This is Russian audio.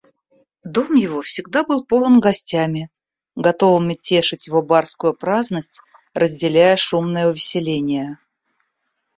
Дом его всегда был полон гостями, готовыми тешить его барскую праздность, разделяя шумные увеселения.